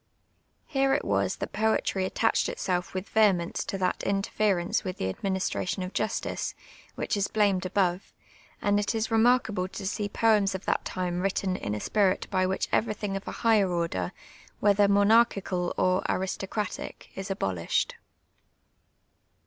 Here it wa>i that jxH'tr}' attached it.self with vehemence to that inter ference with the administration of ju.stice, which is blamed above ; and it is remarkable to see poems of that time written in a spirit by which ever^thini^ of a higher order, whether monarchicid or aristocratic, is abolished.